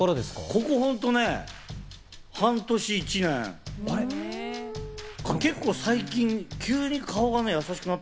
ここ本当、半年とか１年ぐらい、結構、最近、急に顔がね、優しくなった。